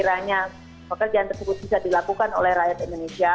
akhirnya pekerjaan tersebut bisa dilakukan oleh rakyat indonesia